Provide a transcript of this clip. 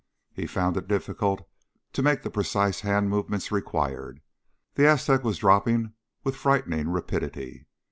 He found it difficult to make the precise hand movements required. The Aztec was dropping with frightening rapidity.